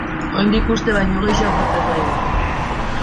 Oraindik uste baino gehiago falta zaigu.